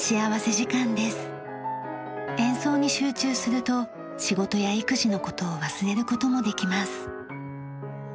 演奏に集中すると仕事や育児の事を忘れる事もできます。